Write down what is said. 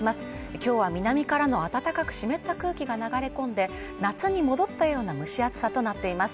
今日は南からの暖かく湿った空気が流れ込んで夏に戻ったような蒸し暑さとなっています